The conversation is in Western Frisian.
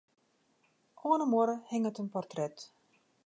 Oan 'e muorre hinget in portret.